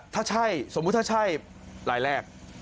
ถ้าใช่สมมุติถ้าใช่รายแรก